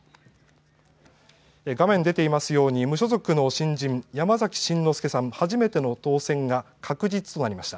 画面に出ていますように無所属の新人、山崎真之輔さん、初めての当選が確実になりました。